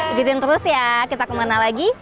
ikutin terus ya kita kemana lagi